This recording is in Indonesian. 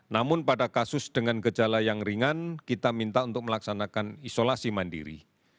namun pada kasus dengan gejala yang ringan kita minta untuk melaksanakan isolasi mandiri